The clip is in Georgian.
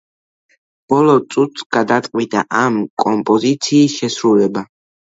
ბოლო წუთს გადაწყვიტა ამ კომპოზიციის შესრულება.